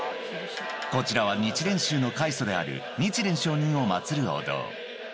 こちらは日蓮宗の開祖である、日蓮聖人を祭るお堂。